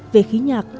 về khí nhạc